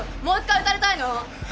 もう１回撃たれたいの？